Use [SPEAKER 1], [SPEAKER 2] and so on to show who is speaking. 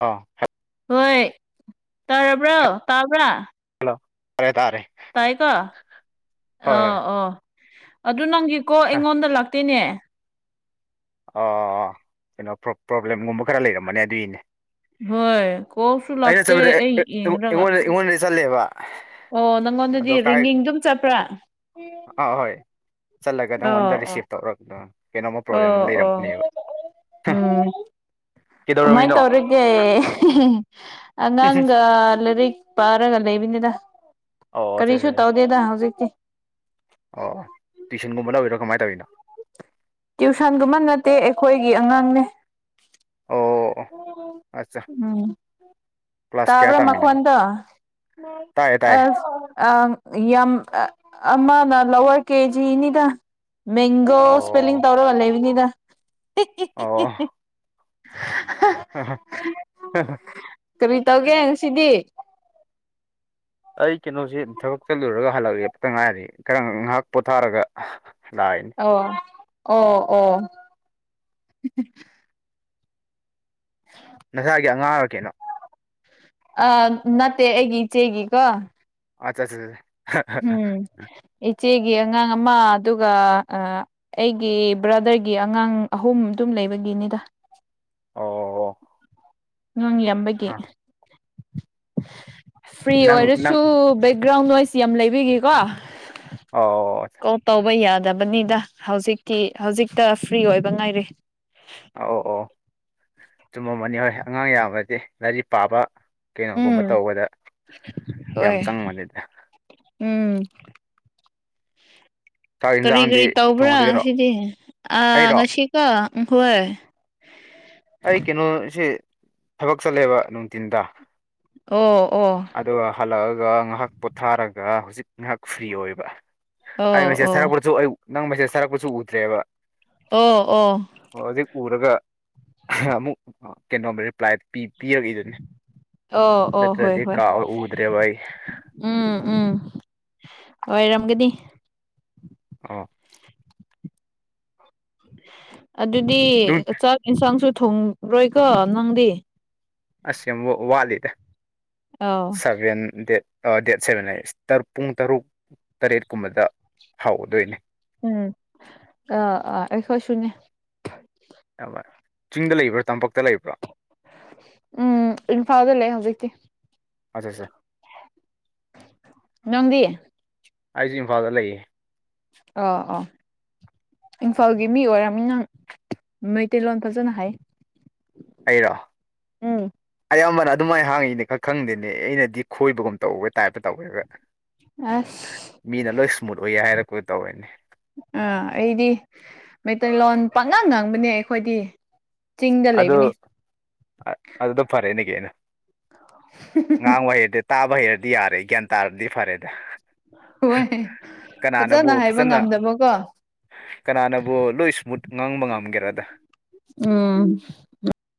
[SPEAKER 1] ꯑ
[SPEAKER 2] ꯍꯣꯏ ꯇꯥꯔꯕ꯭ꯔꯣ ꯇꯥꯕ꯭ꯔꯥ
[SPEAKER 1] ꯍꯜꯂꯣ ꯇꯥꯔꯦ ꯇꯥꯔꯦ
[SPEAKER 2] ꯇꯥꯏꯑꯦꯀꯣ
[SPEAKER 1] ꯍꯣꯏ
[SPEAKER 2] ꯑꯣ
[SPEAKER 1] ꯍꯣꯏ
[SPEAKER 2] ꯑꯣ ꯑꯗꯨ ꯅꯪꯒꯤꯀꯣ
[SPEAKER 1] ꯍꯥ
[SPEAKER 2] ꯑꯩꯉꯣꯟꯗ ꯂꯥꯛꯇꯣꯏꯅꯦ
[SPEAKER 1] ꯑꯣ ꯀꯩꯅꯣ ꯄ꯭ꯔꯣꯕ꯭ꯂꯦꯝꯒꯨꯝꯕ ꯈꯔ ꯂꯩꯔꯃꯅꯦ ꯑꯗꯨꯒꯤꯅꯦ
[SPEAKER 2] ꯍꯣꯏ ꯀꯣꯜꯁꯨ
[SPEAKER 1] ꯑꯩꯅ
[SPEAKER 2] ꯂꯥꯛꯇꯦ
[SPEAKER 1] ꯆꯠꯄ
[SPEAKER 2] ꯑꯩ
[SPEAKER 1] ꯑꯦ ꯑꯦ
[SPEAKER 2] ꯌꯦꯡꯔꯒ
[SPEAKER 1] ꯑꯩꯉꯣꯟꯗꯗꯤ ꯆꯠꯂꯦꯕ
[SPEAKER 2] ꯑꯣ ꯅꯪꯉꯣꯟꯗꯗꯤ
[SPEAKER 1] ꯑꯗꯣ ꯀꯥꯏ
[SPEAKER 2] ꯔꯤꯉꯤꯡꯗꯨꯝ ꯆꯠꯄ꯭ꯔꯥ
[SPEAKER 1] ꯑꯥ ꯑꯍꯣꯏ ꯆꯠꯂꯒ
[SPEAKER 2] ꯑꯣ
[SPEAKER 1] ꯅꯪꯉꯣꯟꯗ
[SPEAKER 2] ꯑꯣ
[SPEAKER 1] ꯔꯤꯁꯤꯞ ꯇꯧꯔꯒꯗ ꯀꯩꯅꯣꯝꯃ ꯄ꯭ꯔꯣꯕ꯭ꯂꯦꯝ
[SPEAKER 2] ꯑꯣ
[SPEAKER 1] ꯑꯃ
[SPEAKER 2] ꯑꯣ
[SPEAKER 1] ꯂꯩꯔꯝꯅꯦꯕ
[SPEAKER 2] ꯎꯝ ꯃꯥꯏ
[SPEAKER 1] ꯀꯩꯗꯧꯔꯝꯃꯤꯅꯣ
[SPEAKER 2] ꯇꯧꯔꯦ ꯑꯉꯥꯡꯒ ꯂꯥꯏꯔꯤꯛ ꯄꯥꯔꯒ ꯂꯩꯕꯅꯤꯅ
[SPEAKER 1] ꯑꯣ ꯑꯠꯆꯥ
[SPEAKER 2] ꯀꯔꯤꯁꯨ
[SPEAKER 1] ꯑꯠꯆꯥ ꯑꯠꯆꯥ.
[SPEAKER 2] ꯇꯧꯗꯦꯗ ꯍꯧꯖꯤꯛꯀꯤ
[SPEAKER 1] ꯑꯣ ꯇꯨꯋꯏꯁꯟꯒꯨꯝꯕ ꯂꯧꯕꯤꯔꯣ ꯀꯃꯥꯏ ꯇꯧꯋꯔꯤꯅꯣ
[SPEAKER 2] ꯇ꯭ꯌꯨꯁꯟꯒꯨꯝꯕ ꯅꯠꯇꯦ ꯑꯩꯈꯣꯏꯒꯤ ꯑꯉꯥꯡꯅꯦ
[SPEAKER 1] ꯑꯣ ꯑꯠꯆꯥ ꯀ꯭ꯂꯥꯁ ꯀꯌꯥ
[SPEAKER 2] ꯇꯥꯕ꯭ꯔꯣ
[SPEAKER 1] ꯇꯝꯃꯤꯅꯣ
[SPEAKER 2] ꯃꯈꯣꯟꯗꯣ
[SPEAKER 1] ꯇꯥꯏꯌꯦ ꯇꯥꯏꯌꯦ
[SPEAKER 2] ꯑꯁ ꯑ ꯌꯥꯝ ꯑꯃꯅ ꯂꯋꯥꯔ ꯀꯦꯖꯤꯅꯤꯗ ꯃꯦꯡꯒꯣ ꯁꯄꯦꯜꯂꯤꯡ
[SPEAKER 1] ꯑꯣ
[SPEAKER 2] ꯇꯧꯔꯒ ꯂꯩꯢꯕꯅꯤꯗ
[SPEAKER 1] ꯑꯣ ꯑ
[SPEAKER 2] ꯀꯃꯤ ꯇꯧꯒꯦ ꯉꯁꯤꯗꯤ
[SPEAKER 1] ꯑꯩ ꯀꯩꯅꯣꯁꯤ ꯊꯕꯛ ꯆꯠꯂꯨꯔꯒ ꯍꯜꯂꯛꯂꯦ ꯑꯃꯇꯪ ꯉꯥꯏꯔꯗꯤ ꯈꯔ ꯉꯥꯏꯍꯥꯛ ꯄꯣꯊꯥꯔꯒ ꯅꯥꯟ
[SPEAKER 2] ꯑꯣ ꯑꯣ ꯑꯣ
[SPEAKER 1] ꯅꯁꯥꯒꯤ ꯑꯉꯥꯡ ꯑꯣꯏꯔ ꯀꯩꯅꯣ
[SPEAKER 2] ꯑ ꯅꯠꯇꯦ ꯑꯩꯒꯤ ꯏꯆꯦꯒꯤꯀꯣ
[SPEAKER 1] ꯑꯆꯥꯆꯥ
[SPEAKER 2] ꯎꯝ ꯏꯆꯦꯒꯤ ꯑꯉꯥꯡ ꯑꯃ ꯑꯗꯨꯒ ꯑ ꯑꯩꯒꯤ ꯕ꯭ꯔꯗꯔꯒꯤ ꯑꯉꯥꯡ ꯑꯍꯨꯝ ꯑꯗꯨꯝ ꯂꯩꯕꯒꯤꯅꯤꯗ
[SPEAKER 1] ꯑꯣ ꯑꯣ
[SPEAKER 2] ꯉꯥꯡ ꯌꯥꯝꯕꯒꯤ ꯐ꯭ꯔꯤ
[SPEAKER 1] ꯅꯪ ꯅꯪ
[SPEAKER 2] ꯑꯣꯏꯔꯁꯨ ꯕꯦꯛꯒ꯭ꯔꯥꯎꯟ ꯅꯣꯏꯁ ꯌꯥꯝ ꯂꯩꯕꯒꯤꯀꯣ
[SPEAKER 1] ꯑꯣ ꯑ
[SPEAKER 2] ꯇꯧꯕ ꯌꯥꯗꯕꯅꯤꯗ ꯍꯧꯖꯤꯛꯇꯤ ꯍꯧꯖꯤꯛꯇ ꯐ꯭ꯔꯤ ꯑꯣꯏꯕ ꯉꯥꯏꯔꯦ
[SPEAKER 1] ꯑ ꯑꯣ ꯑꯣ ꯆꯨꯝꯃꯝꯃꯅꯤ ꯍꯣꯏ ꯑꯉꯥꯡ ꯌꯥꯝꯃꯗꯤ ꯂꯥꯏꯔꯤꯛ ꯄꯥꯕ ꯀꯩꯅꯣꯒꯨꯝꯕ
[SPEAKER 2] ꯎꯝ
[SPEAKER 1] ꯇꯧꯕꯗ ꯌꯥꯝ
[SPEAKER 2] ꯍꯣꯏ
[SPEAKER 1] ꯆꯪꯕꯅꯤꯗ
[SPEAKER 2] ꯎꯝ
[SPEAKER 1] ꯆꯥꯛ
[SPEAKER 2] ꯀꯔꯤ
[SPEAKER 1] ꯌꯦꯟꯁꯥꯡꯗꯤ
[SPEAKER 2] ꯀꯔꯤ ꯇꯧꯕ꯭ꯔꯥ
[SPEAKER 1] ꯊꯣꯡꯉꯗꯣꯏꯔꯣ
[SPEAKER 2] ꯉꯁꯤꯗꯤ ꯑꯥ
[SPEAKER 1] ꯑꯩꯔꯣ
[SPEAKER 2] ꯉꯁꯤꯀꯣ ꯏꯡꯈꯣꯏ
[SPEAKER 1] ꯑꯩ ꯀꯩꯅꯣꯁꯤ ꯊꯕꯛ ꯆꯠꯂꯦꯕ ꯅꯨꯡꯇꯤꯟꯗ
[SPEAKER 2] ꯑꯣ ꯑꯣ
[SPEAKER 1] ꯑꯗꯨꯒ ꯍꯜꯂꯛꯑꯒ ꯉꯥꯍꯥꯛ ꯄꯣꯠꯊꯥꯔꯒ ꯍꯧꯖꯤꯛ ꯉꯥꯏꯍꯥꯛ ꯐ꯭ꯔꯤ ꯑꯣꯏꯕ ꯑꯩ
[SPEAKER 2] ꯑꯣ
[SPEAKER 1] ꯃꯦꯁꯦꯁ
[SPEAKER 2] ꯑꯣ
[SPEAKER 1] ꯊꯥꯔꯛꯄꯁꯨ ꯑꯩ ꯅꯪ ꯃꯦꯁꯦꯁ ꯊꯥꯔꯛꯄꯁꯨ ꯎꯗ꯭ꯔꯦꯕ
[SPEAKER 2] ꯑꯣ ꯑꯣ
[SPEAKER 1] ꯑꯣ ꯍꯧꯖꯤꯛ ꯎꯔꯒ [unintelligible] ꯑꯃꯨꯛ ꯑꯥ ꯀꯩꯅꯣꯝ ꯔꯤꯄ꯭ꯂꯥꯏ ꯄꯤ ꯄꯤꯔꯛꯏꯗꯨꯅꯦ
[SPEAKER 2] ꯑꯣ ꯑꯣ ꯍꯣꯏ ꯍꯣꯏ
[SPEAKER 1] ꯎꯗ꯭ꯔꯦꯕ ꯑꯩ
[SPEAKER 2] ꯎꯝ ꯎꯝ ꯑꯣꯏꯔꯝꯒꯅꯤ
[SPEAKER 1] ꯑꯣ
[SPEAKER 2] ꯑꯗꯨꯗꯤ
[SPEAKER 1] ꯅꯨꯡ
[SPEAKER 2] ꯆꯥꯛ ꯏꯟꯁꯥꯡꯁꯨ ꯊꯣꯡ ꯔꯣꯏꯀꯣ ꯅꯪꯗꯤ?
[SPEAKER 1] ꯑꯁ ꯌꯝ ꯋꯥ ꯋꯥꯠꯂꯤꯗ
[SPEAKER 2] ꯑꯥꯎ
[SPEAKER 1] ꯁꯚꯦꯟ ꯗꯦꯠ ꯑꯥ ꯗꯦꯠ ꯁꯦꯚꯦꯟ ꯍꯥꯏꯌꯦ ꯁ꯭ꯇꯔ ꯄꯨꯡ ꯇꯔꯨꯛ ꯇꯔꯦꯠ ꯀꯨꯝꯕꯗ ꯍꯧꯗꯣꯏꯅꯦ
[SPEAKER 2] ꯎꯝ ꯑꯥ ꯑꯥ ꯑꯩꯈꯣꯏꯁꯨꯅꯦ
[SPEAKER 1] [unintelligible] ꯆꯤꯡꯗ ꯂꯩꯕ꯭ꯔꯣ ꯇꯝꯄꯥꯛꯇ ꯂꯩꯕ꯭ꯔꯣ?
[SPEAKER 2] ꯎꯝ ꯏꯝꯐꯥꯜꯗ ꯂꯩ ꯍꯧꯖꯤꯛꯇꯤ
[SPEAKER 1] ꯑꯥꯖꯥ ꯖꯥ
[SPEAKER 2] ꯅꯪꯗꯤ?
[SPEAKER 1] ꯑꯩꯁꯨ ꯏꯝꯐꯥꯜꯗ ꯂꯩꯌꯦ
[SPEAKER 2] ꯑꯣ ꯑꯣ ꯏꯟꯐꯥꯜꯒꯤ ꯃꯤ ꯑꯣꯏꯔꯝꯅꯤꯅꯪ ꯃꯩꯇꯩꯂꯣꯟ ꯐꯖꯅ ꯍꯩ
[SPEAKER 1] ꯑꯩꯔꯣ?
[SPEAKER 2] ꯎꯝ
[SPEAKER 1] ꯑꯌꯥꯝꯕꯅ ꯑꯗꯨꯃꯥꯏ ꯍꯥꯡꯌꯦꯅꯦ ꯈꯥ ꯈꯪꯗꯦꯅꯦ ꯑꯩꯅꯗꯤ ꯈꯣꯏꯕꯒꯨꯝ ꯇꯧꯕ ꯇꯥꯏꯞꯇ ꯇꯧꯋꯦꯕ
[SPEAKER 2] ꯑꯁ
[SPEAKER 1] ꯃꯤꯅ ꯂꯣꯏ ꯁ꯭ꯃꯨꯠ ꯑꯣꯏꯌꯦ ꯍꯥꯏꯔꯛꯄ ꯇꯧꯔꯦꯅꯦ
[SPEAKER 2] ꯑꯥ ꯑꯩꯗꯤ ꯃꯩꯇꯩꯂꯣꯟ ꯄꯥꯛꯉꯥꯡ ꯉꯥꯡꯕꯅꯦ ꯑꯩꯈꯣꯏꯗꯤ ꯆꯤꯡꯗ
[SPEAKER 1] ꯑꯗꯨ
[SPEAKER 2] ꯂꯩꯕꯅꯤ
[SPEAKER 1] ꯑꯗꯨꯗ ꯐꯔꯦꯅꯦ ꯀꯩꯅꯣ ꯉꯥꯡꯕ ꯍꯩꯔꯗꯤ ꯇꯥꯕ ꯍꯩꯔꯗꯤ ꯌꯥꯔꯦ ꯒ꯭ꯌꯥꯟ ꯇꯥꯔꯗꯤ ꯐꯔꯦꯗ
[SPEAKER 2] ꯍꯣꯏ ꯐꯖꯅ ꯍꯥꯏꯕ ꯉꯝꯗꯕꯀꯣ
[SPEAKER 1] ꯀꯅꯥꯅꯕꯨ ꯂꯣꯏ ꯁ꯭ꯃꯨꯠ ꯉꯥꯡꯕ ꯉꯝꯒꯦꯔꯗ
[SPEAKER 2] ꯎꯝ